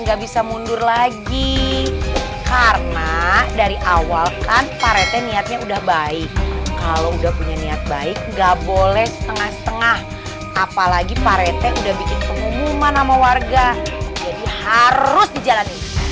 nggak bisa mundur lagi karena dari awal kan parete niatnya udah baik kalau udah punya niat baik nggak boleh setengah setengah apalagi parete udah bikin pengumuman sama warga jadi harus dijalani